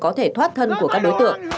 có thể thoát thân của các đối tượng